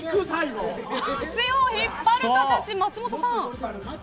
足を引っ張る形、松本さん。